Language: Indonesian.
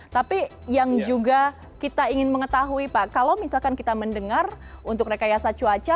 tapi yang juga kita ingin mengetahui pak kalau misalkan kita mendengar untuk rekayasa cuaca